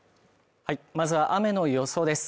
まずは雨の予想です。